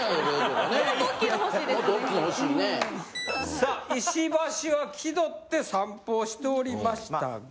さあ石橋は気取って散歩をしておりましたが。